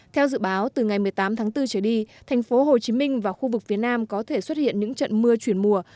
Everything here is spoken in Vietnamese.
theo dự báo từ ngày một mươi tám tháng bốn trở đi tp hcm và khu vực phía nam có thể xuất hiện những trận mưa chuyển mùa